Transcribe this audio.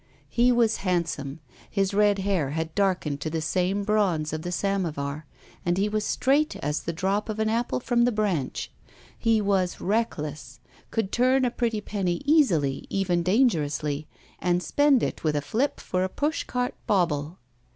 He was handsome. His red hair had darkened to the same bronze of the samovar and he was straight as the drop of an apple from the branch. He was reckless. Could turn a pretty penny easfly, even dangerously, and spend it with a flip for a pushcart bauble.